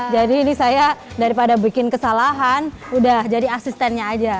jadi ini saya daripada bikin kesalahan udah jadi asistennya aja